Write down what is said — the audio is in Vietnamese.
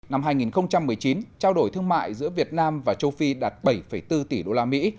năm hai nghìn một mươi chín trao đổi thương mại giữa việt nam và châu phi đạt bảy bốn tỷ đô la mỹ